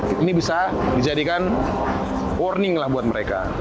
ini bisa dijadikan warning lah buat mereka